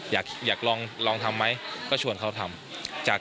อยากลองทำไหมก็ชวนเขาทำจาก